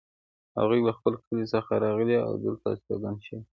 هغوی له خپل کلي څخه راغلي او دلته استوګن شوي